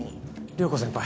涼子先輩。